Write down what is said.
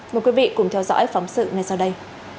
mời quý vị cùng theo dõi phóng sự ngay sau đây